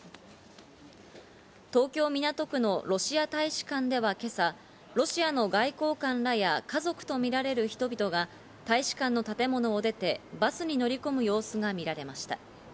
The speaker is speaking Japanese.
東京・港区のロシア大使館では今朝、ロシアの外交官らや家族とみられる人々が大使館の建物を出てバスに乗り込む様子が見られました。